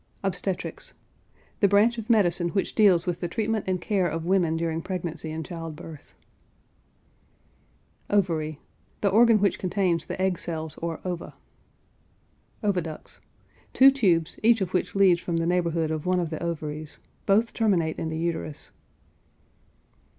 OBSTETRICS. The branch of medicine which deals with the treatment and care of women during pregnancy and child birth. OVARY. The organ which contains the egg cells or ova. OVIDUCTS. Two tubes, each of which leads from the neighborhood of one of the ovaries; both terminate in the uterus.